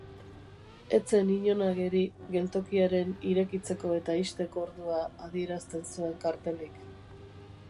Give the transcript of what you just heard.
Ez zen inon ageri geltokiaren irekitzeko eta ixteko ordua adierazten zuen kartelik.